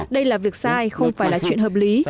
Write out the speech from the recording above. đây là việc sai không phải là chuyện hợp lý